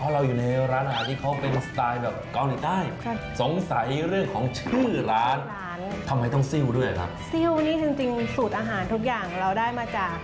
เริ่มเปิดคุณอ้อมนะครับสวัสดีครับ